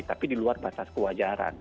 tapi di luar batas kewajaran